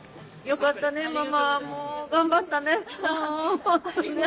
よかったねママもう頑張ったね。